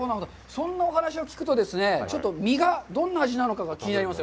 そんなお話を聞くとですね、ちょっと身がどんな味なのかが気になります。